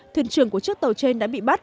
thuyền trường của chiếc tàu trên đã bị bắt